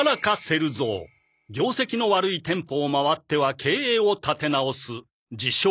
業績の悪い店舗を回っては経営を立て直す自称